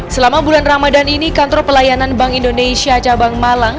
selama bulan ramadan ini kantor pelayanan bank indonesia cabang malang